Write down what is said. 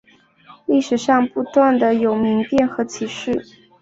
历史上不断有民变和起事。